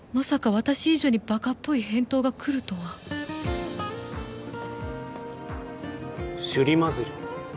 私以上にバカっぽい返答がくるとは「シュリマズル」